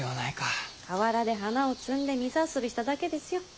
河原で花を摘んで水遊びしただけですよ。